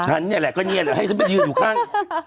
ฉันเนี่ยแหละก็เนี่ยแหละให้ฉันไปยืนอยู่ข้าง